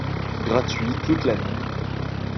Gratuit toute l'année.